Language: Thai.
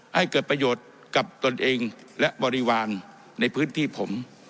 ให้เกิดประโยชน์กับตนเองและบริวารในพื้นที่ผม